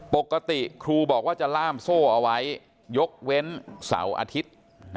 ปกติครูบอกว่าจะล่ามโซ่เอาไว้ยกเว้นเสาร์อาทิตย์